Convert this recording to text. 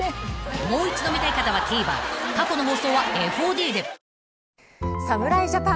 ［もう一度見たい方はＴＶｅｒ過去の放送はＦＯＤで］